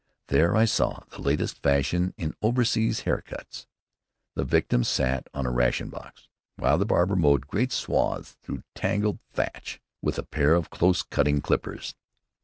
There I saw the latest fashion in "oversea" hair cuts. The victims sat on a ration box while the barber mowed great swaths through tangled thatch with a pair of close cutting clippers.